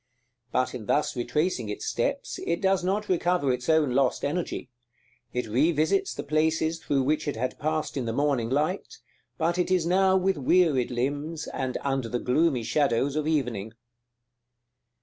But in thus retracing its steps, it does not recover its own lost energy. It revisits the places through which it had passed in the morning light, but it is now with wearied limbs, and under the gloomy shadows of evening.